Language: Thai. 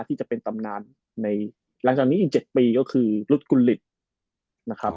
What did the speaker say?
ที่จะเป็นตำนานในหลังจากนี้อีก๗ปีก็คือรุดกุลิตนะครับ